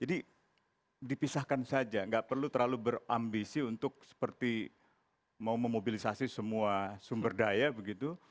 jadi dipisahkan saja enggak perlu terlalu berambisi untuk seperti mau memobilisasi semua sumber daya begitu